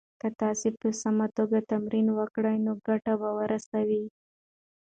که تاسي په سمه توګه تمرین وکړئ نو ګټه به ورسوي.